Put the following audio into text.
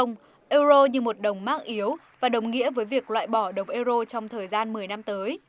euro như một đồng mang yếu và đồng nghĩa với việc loại bỏ đồng euro trong thời gian một mươi năm tới